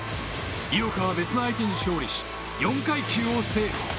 井岡は別の相手に勝利し、４階級を制覇。